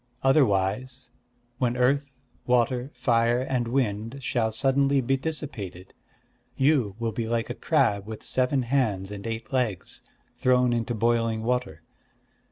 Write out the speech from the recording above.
Otherwise, when Earth, Water, Fire, and Wind shall suddenly be dissipated, you will be like a crab with seven hands and eight legs, thrown into boiling water.